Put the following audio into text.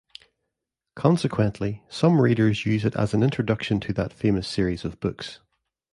Consequently, some readers use it as an introduction to that famous series of books.